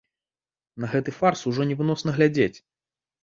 На гэты фарс ужо невыносна глядзець.